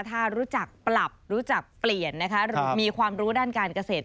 ถ้ารู้จักปรับรู้จักเปลี่ยนนะคะมีความรู้ด้านการเกษตร